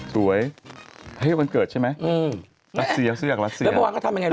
สวยเฮ้ยวันเกิดใช่ไหมอืมลัดเสียเสื้อกลัดเสียแล้วเมื่อวานเขาทำยังไงด้วย